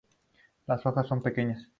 Las hojas son pequeñas.